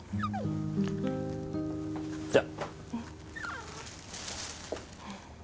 じゃあ。